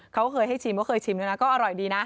เขาเคยให้ชิมเขาเคยชิมด้วยนะก็อร่อยดีนะ